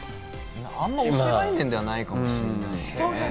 あんま、お芝居面ではないかもしれないね。